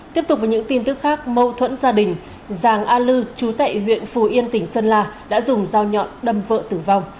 tiếp tục với những tin tức khác mâu thuẫn gia đình giàng a lư chú tại huyện phù yên tỉnh sơn la đã dùng dao nhọn đâm vợ tử vong